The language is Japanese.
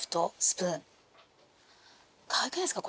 かわいくないですか？